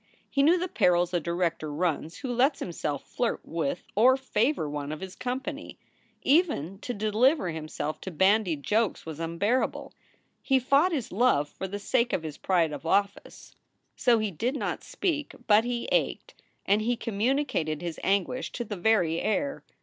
He knew the perils a director runs who lets himself flirt with or favor one of his company. Even to deliver himself to bandied jokes was unbearable. He fought his love for the sake of his pride of office. 274 SOULS FOR SALE So he did not speak, but he ached, and he communicated his anguish to the very air.